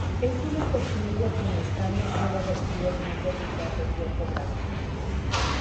Es una cochinilla que en España suele recibir el nombre vulgar de piojo blanco.